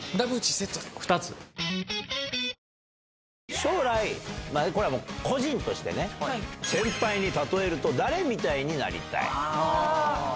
将来、何これもう、個人としてね、先輩に例えると誰みたいになりたい？